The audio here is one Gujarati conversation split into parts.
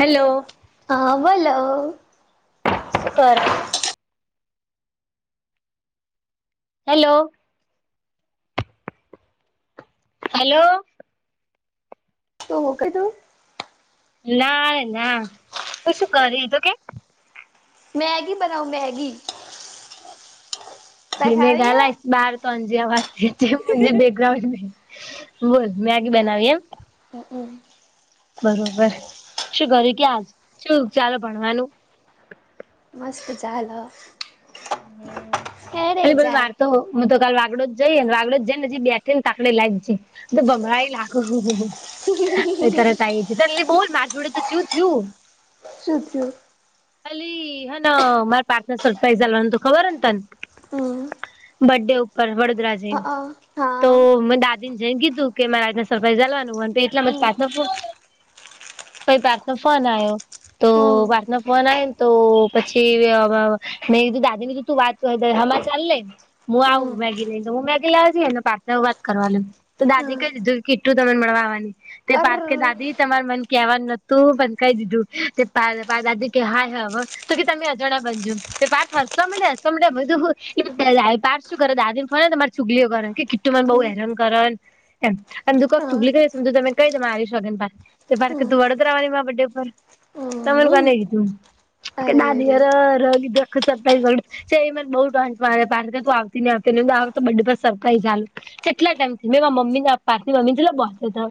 હલો હા બોલો કર હેલો હેલો તોું કધું ના ના તું શું કરી તો કેમ? મેગ બનાઓ મ મેગ. જે મે ખાવી ગશ બાર ત વા બેકગ્રાઉન્ડ બોલ મેગી બનાવી એમ. હમ હમ બરોબર શું ઘર ક્યાજ શું ચાલો ભણવાનું. મસ્ત જદ હ અને બોલ વારતો હોવ. હું તો કાાલ વાગડો જ જઈ ને વાગડો જઈને હજી બેઠી ને તાકડે લાવ જઈ તો ભમળ લાગો. એ ત્યારે ત છે ત એ બોલ મારા જોડે તો શયું થયું. શું થયું અલી હ ના મારા પાર્ટનર સરપ્રાઈઝાલ ખબર તને હમ બડે ઉપર વડ અ અ, તો હા દાદા. જેમ કીધું કે મારે આને સરપ્રાઈઝ ચાલવાનુંય એટલા મ જ હમ પાથ નફ. પી પાર્સ નનો ફોન આવ્યો. તો હમ વાતમાં ફોન આવે ને તો પછી મેં કીધું [unintelligible] બીધું તું વાત ક હમાં ચાલલેને. હું હમ આવું મેગી લઈને તો હું મેગી લાવ છ ને પાસે વાત કરવાની તો દાદી હમ કહી દીધું કે કેીટલું તમને મળવાની. તે અર પાર્થ કે દાદી તમારે મન કેહેવાનું નતું પણ કહી દીધું દાદી કે હાય હવે તો કે તમે અજાણા બનજો તે પાર ફરશે. સમ્યા્યા તું પારસું કરે દા દન ફોને તમારે છુગલીઓ કરે કે [inaudible] તે મને બઉુ હા હેરામ કર એમ દુખક હમ ચૂગલી કરી તમે કઈ આવી શકો ને પ તે ફ કે તું વડ કરાવવા ની મે વડે ઉપર તમેરું હમ કોને ગ તું કે અરે રે દાદીર રી દખ [inaudible] એને બુ ટાં પ તું આવતી ને આવતી આ વ બ સરપ્રાઈઝુ કેટલા ટાઈમથી મેં મમ્મી ના પારથી મમ્મી છેટ બો હતા.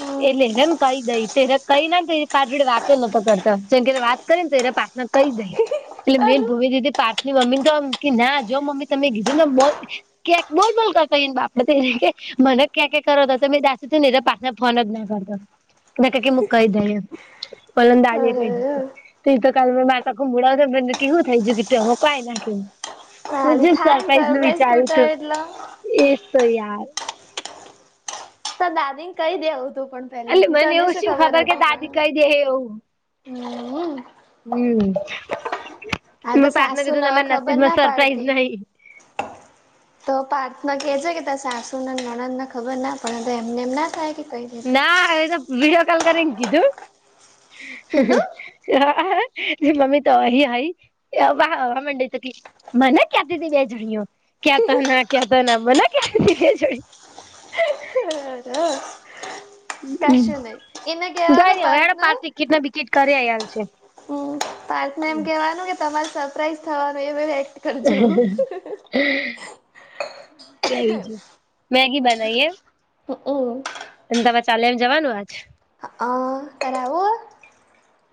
હમ એટલેેને કહી દઈ કઈ નાને પાછ જોડે વાતો નતો કરતો જેમ કે વાત કરી ને તો એરા પ્રાર્થના કરી ગઈ એટલે મેન ભૂમ દીધી પાારથની મમ્મીને તોમ ના જો મમ્મી તમે કીધું ને બોત ક્યાંક બોલ બોલ કરતા હોય ને બાપડે થને મને ક્યાં ક કરોતો હતો મેં દ ને પાછને ફોન જ ના કરતો. ના ક કેમુક કહી દઈ પલંદાડી કહી દ તો તો કાલે મે મારતા ઘૂમડાવ મને કેવું થઈ ગું કે ત કઈ ના કેું હુંજ હાલી થાય ને સરપ્રાઈઝ નું વિચાર્યું તૂટે હત એટલે એજ તો યાર દાદી ને કઈ દેવું હતું પણ પેલા એટલે થી મને તને એવું શું ખબર કે હતી? દાદી કહી પણ હમ હમ આ તો હું પાર્થના સાસુ કીધું ન તમાર ખબર નસીબમાં ના સરપ્રાઈઝ પાડતી નહી. તો પાર્થના કેહે છે કે ત સાસુ ના વણને ખબર ના પણ એમને એમ ના થાય કે કઈ દીધું ના એ તો વિડીયો કોલ કરીને કીધું. કીધું હા મમ્મી તો હ હ વા મમાંડ છે કે મને ક્યાંથીથીી બે જોડ્યું ક્યા ત ના ક્યા ત ના મને ક્યા બે જોડી તો હમ્મ કશું ન એના કઈ કેવાનું નઈ હવે પાારત હેડો પાંચ ટિકિટ ના બિકિટ કરી આલ છે. હમ પાર્થને એમ કેવાનું કે તમારે સરપ્રાઈઝ થવાનું એ કરજો કેવીજું મેગી બનાવીએ? હમ હમ અને તવા ચાલે એમ જવાનું આજ હ કરવું?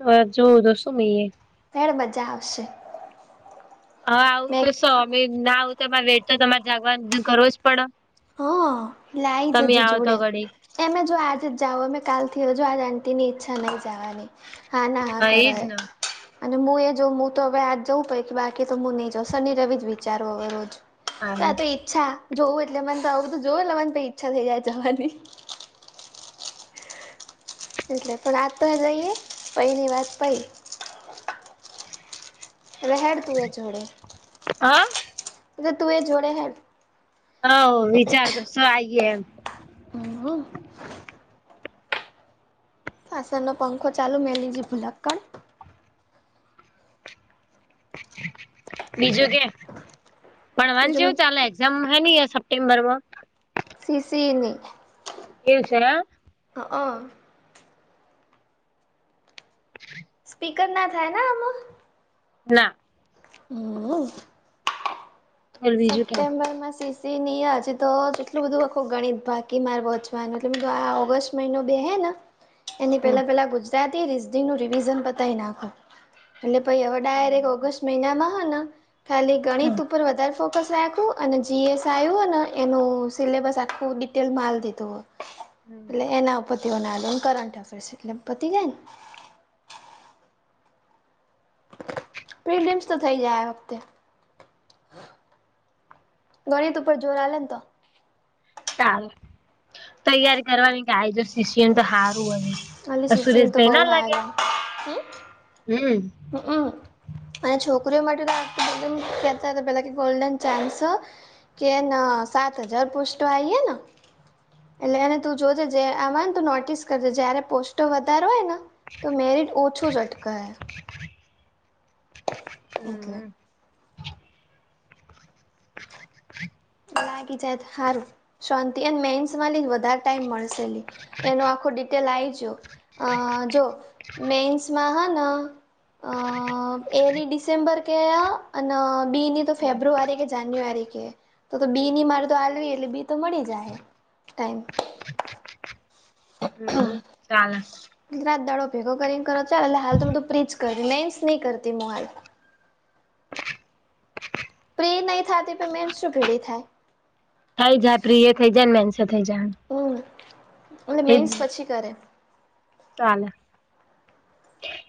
હ જોવું તો શું નિએ? મેડ મજા આવશે. હ આવું મેં તો સમમી ના આવ તમારે વેટ તો તમારે જાગવા કરવો જ પડે, હા લાઈ [unintelligible] તમે જજે આવ તો જોડે ઘડી એમે જો આજ જ જાવઓ અમે કાલથી હજ આજ આટીની ઈચ્છા નહીં જવાની હા ના હા કર એજ ને અને હું એ જોું તો હવે આજ જવું પડે કે, બાકી તો હું નહી જઉં શનિ રવિ જ વિચારવો હવે રોજ હારું તો ઈચ્છા જોવું એટલે મને તો આવું તો જોવ એ મને ઈચ્છા થઈ જાય જવાની. એટલે પણ આ તો લઈએ પઈ ની વાત થઈ. હેડ તું એ જોડે હા [unintelligible] તું એ જોડે હેડ હ વિચારતોસો આઈએ એમ હમવ અસનો પંખો ચાલુ મે લજી ભૂલક્કન બીજું કે [unintelligible] ભવાન બીજું જેવું ચાલે છે? જમ હની સપ્ટે્બરમાં? સીસીની એલ્શે [inaudible] હ હ [unintelligible] સ્પીકર ના થાય ને આમ ના હમ બોલ બીજું કેમ સેપ્ટેમ્બરમાંસી તે આજે તો એટલું બધું આખું ગણિત બાકી માર વોંચવાનું એટલે જો આ ઓગસ્ટ મહિનો બે હૈ ને. [unintelligible] એની પેલા પેલા ગુજરાતી રિઝી નું રિવિઝન પતાવી નાખુ. એટલે પાઈ હવે ડાયરેક્ટર ઓગસ્ટ મહિનામાં હોને ખાલી ગણિત ઉપર વધારે. ફોકસ રાખ અને જીએસ આવ્યું અને એનું સિલેબસ આખું ડિટેલ માલ દીધું હોય. હમ એટલે એના પતિઓને કરંટ અફેર્સ એટલે પતિ જાયને. પ્રિલીયમ્સ તો થઈ જાય આ વખતે. ગણિત ઉપર જોર આલે તો. ટાલ તૈયારી કરવાની કેઈ જો સીષ્યને તો સારું હોય. અલી શિસ તો બઉુ હે હમ હમ હમ અને છોકરીઓ માટેતી કહેતા પેલા કે ગોલ્ડન ચાન્સ અ. કે ના સાત હજાર પ પોસ્ટ્ટો આઈએ ન. એટલે એને તું જોજે જે આ ને તું નોટિસ કરજે જય્યારે. પોસ્ટો વધાર હોય ને તો મેરિટ ઓછું જ અટકાય. એટલે હમ [unintelligible] લાગી જાય તો હારું. શાંતિ એન મેન્સ માં લ વધારે ટાઈમ મળશે અલી એનો આખો ડિટેલ આઇજો. અ જો મેન્સમાં હ ના. અ એની ડિસેમ્બર કહે અને બીની તો ફેબ્રુઆરી કે જાન્યુઆરી કહે. તો તો બી ની મારે તો હળવી એટલે બી તો મળી જાય ટાઈમ. હમ [inaudible] ચાલ રાત દાડો ભેગો કરીને કરો છે એટલે હાલ તો બધું ફિજ કરી લેન્સ નહી કરતી મુ હાલ. પ્રી નહી થાતી મેન શું ભીડી થાય. થઈ જાય પ્રિય થઈ જાય ને મેનસે થઈ જાય. હમ એટલે એજ મેન્સ પછી કરે. ચાલે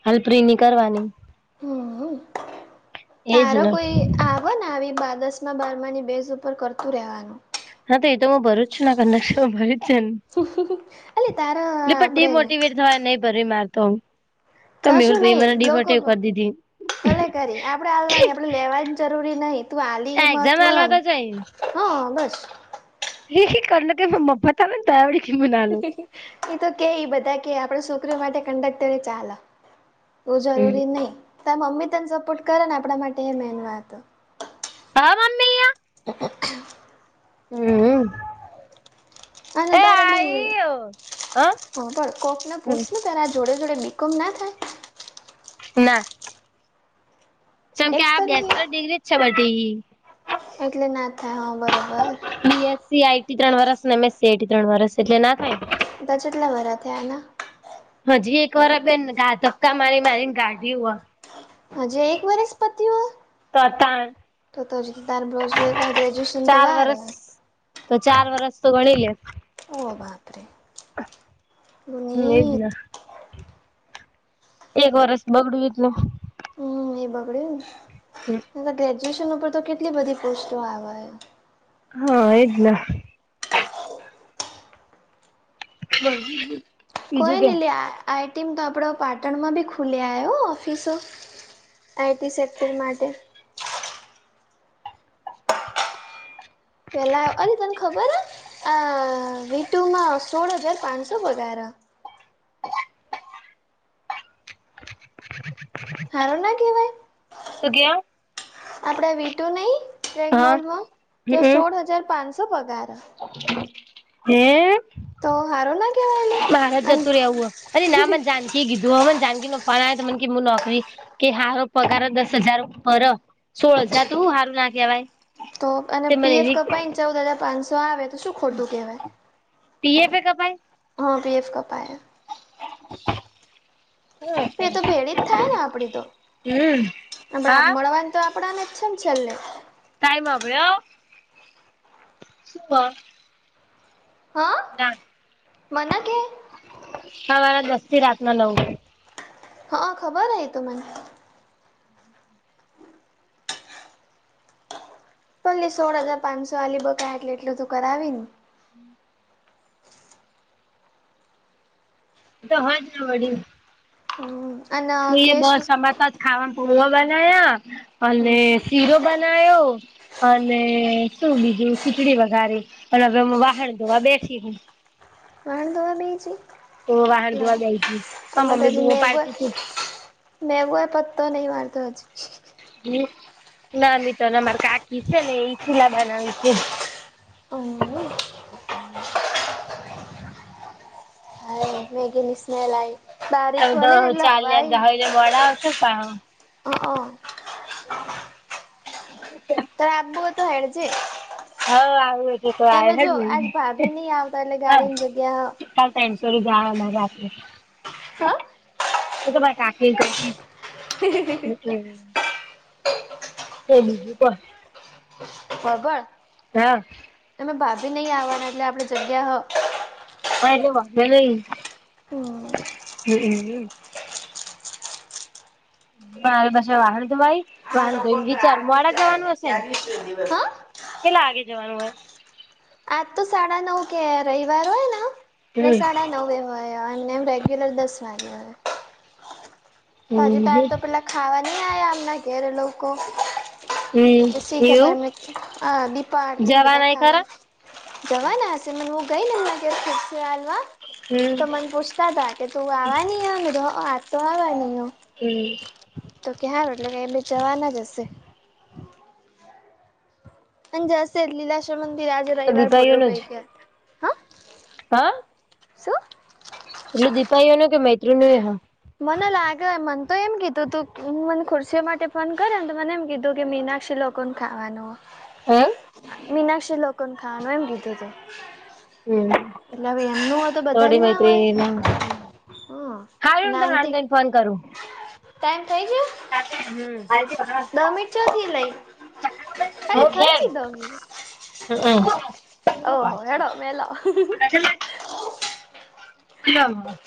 હાલ પ્રિ ની કરવાની. હમ એજ તારો ને કોઈ. આવો ને આવી બા દસ બારમાની બેઝ ઉપર કરતું રહેવાનું હા તો એ તો હું ભરું છું કક ભર છે એટલે તારા ને એટલે ડી આપડે મોટીવેટ. ય નહી ભરી માર તોમ. તમે મેહુલ કશું ભાઈ નહી મારા લોકો ડીમાટેવ કરી દીધી. આપ હાલવાની આપડે લેવાની જરૂરી નહી તું આલી આ એ એક્ઝામ મહત્વ આલવા નું તો હ બસ. હ [unintelligible] હ કલ કે મ્પત ને તયા વી કીમનાલ એ તો કે ઈ બધા કે આપડ શુક્ર માટે કંડકટર ચાલ. એવું જરૂરી નહી તમે મમ્મી તને સપોર્ટ કરે ને આપણા માટે એ મેન વાત હ. પાાવ મામી્યા [unintelligible] ઓ [inaudible] હું હું. અને તારેલી હ પણ કોકને પૂછું તના જોડે‌. એટલે બી કોમ ન થાય. ના. જેમ કે એક્સ આ તરીકે બેચલર ડિગ્રી જ છે બધી એટલે ના થાવ બીએસસી આઈટી ત્રણ વરસ ને એમએસસી આઈટી ત્રણ વરસ એટલે ના થાય ને તા ચેટલા વરહ થયાના હજી એક વાર આ બેન ધાધક્કા મારી મારી કાઢિ વા. હજી એક વરસ પતિઓ તો એ. તાણ તો જદાર બ્લાઉજ ગ્રેજ્યુએશન તો ચાર વાર. વરસ તો ચાર વરસ તો ગણી લે. ઓ બાપ રે. હમ એ જ ના. એક વરસ [unintelligible] હમ એ બગડ્યુંને અને ગ્રેજ્યુએશન ઉપર તો કેટલી બધી પોસ્ટો આવે હા એજ ન [inaudible] કોઈ કે ને લે આઈટીની તો આપણો પાટણમાં બી ખુલી આયો ઓફિસો આઈટી સેક્ટર માટે પેલા અરે તને ખબર હ અ વીટુમાં સોળ હજાર પાંચસો પગાર હારું ના કેવાય શું કેવ આપડે વિટું નઈ ટેગ હા મોલમાં તે હમ સોળ હજાર પાંચસો પગાર હે તો હારું ના કેવાય લી માારા અને જતું રેવું હો અને નામ જ જાન કી એ કીધું હ મને જાનકી નો ફૉન આયો તો મન કે નોકરી કે હારો પગાર દસ હજાર પર સોળ હજાર તો હું હારું ના કેવાય તો અને પીએફ કપાઈને ચૌદ હજાર પાંચસો આવે તો શું ખોટું કેવાય પીએફ એ કપાઈ હા પીએફ કપાઈ [inaudible] [inaudible] એ તો ભેડી જ થાય ને આપડી તો હમ્મ આપડા હા મળવાનું તો આપડાને અચ્છા છે જ છેલ્લે ટાઈમ [unintelligible] હા ના મન કે હવારે દસ થી રાત ના નવ હા ખબર એતો મને હમ ભલે સોળ હજાર પાંચસો વાાલી બકા એટલે એટલું તું કરાવી ને હમ તો હજ ને વડી હમ્મ અન મે બસ અમરતા જ ખાવા પૌવા બનાયા અને હમ શીરો બનાયો અને શું બીજું ખીચડી વઘારી અને હવે વાહણ ધોવા બેસી વાહણ ધોવા બેહી જે તો વાહણ ધોવા બેહી ગેય મા મમ્મી બુમો પાડતી મેંવું એ પત્તો ની વાંધો છે. નામ તોને માર કાકી છે ને એ ચીલા બનાવે છે. હમ્મ. હમ્મ. હા મેગીની સ્મેલ આઈ તમે તો ચાલ્યા [unintelligible] મોડા આવશે પણ હ હ [unintelligible] તો હેડજે એમે જો આજ ભાભી નહી આવતા એટલે ગાડીની જગ્યા [unintelligible] ્રેન્સો ર જમારે આપે. હા. એ તો [unintelligible] એટલે તે બીજું પણ [unintelligible] હા. અમે ભાભી નહી આવવાના એટલે આપણેે જગ્યા હ. હા એટ વા ન. હમ. હ. પણરે પાછ વાહન ધવાય આ વાહન લોકો ધોઈ. ચાર આરતી મોડા જાય જવાનું હશે ને? ચાલીસ દિવસ પેલા આગે જવાનું હ? આજ તો સાડા નવ કે રવિવાર હોય ને પ હમ સાડા નવ એ. હ હ રેગ્યુલર દસનારી હ. પછી તાર તો હમ પેલા ખાવા નહી આ આમના ઘેરે લોકો? હમ બછી ખબર એવું એમને હ દીપા આરતી ને બધા જવાના એ ખરા ખાવા. જવા ના હ મ હું ગઈ ને માગ ફરસે આલવા. હમ તો મને પૂછતા હતા કે તું આવા ન આ તો આવા ન હો. હમ. તો ખલ એટલે કે બે જવા ના જ હશે. અજશે લીલાશ મંદિ આે રવિવાર બોલો દીપાઈઓનું જ પૈકી. હા? શું એટલું દીપાાઈઓ નું કે મૈત્રી નુંઈ એ હા. મને લાગે હે મન તો એમ કીધું તું મને ખુરશીઓ માટે ફોન કયરો ને તો મને એમ કીધું કે મીનાક્ષી લો કોન ખાવાનો. એમ? મીનાક્ષી લોકન ખાવાનું, એમ કીધું તે. હમ્મ. એટલે હવે એમનું હોય તો બધાન ના હોય? હા. હારું હું તને વાંધો નઈ ફોન કરું. [unintelligible] ટાઈમ થઈ ગયો? હમ. દહ મિનિટ [unintelligible] લેઈ. ખાલી થઈ જ [unintelligible] ઓહો હેડો મેલો અમ્મ-અમ્મ. [inaudible]